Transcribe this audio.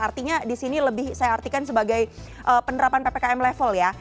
artinya di sini lebih saya artikan sebagai penerapan ppkm level ya